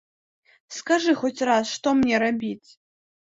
Скажы хоць раз, што мне рабіць?